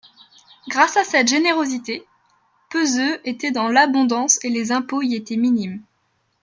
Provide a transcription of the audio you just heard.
Grâce à cette générosité, Peseux était dans l'abondance et les impôts y étaient minimes.